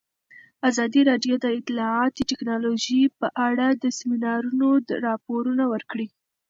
ازادي راډیو د اطلاعاتی تکنالوژي په اړه د سیمینارونو راپورونه ورکړي.